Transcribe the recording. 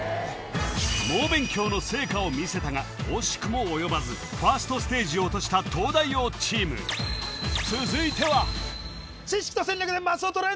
猛勉強の成果を見せたが惜しくも及ばずファーストステージを落とした東大王チーム続いては知識と戦略でマスを取れ！